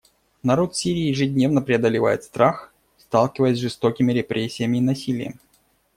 Народ Сирии ежедневно преодолевает страх, сталкиваясь с жестокими репрессиями и насилием.